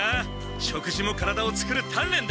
食事も体を作る鍛錬だ！